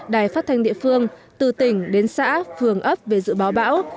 đài phát thanh địa phương từ tỉnh đến xã phường ấp về dự báo bão